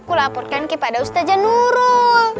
kulapor kan kepada ustazah nurul